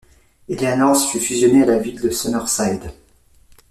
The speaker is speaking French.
Eleanors fut fusionné à la ville de Summerside.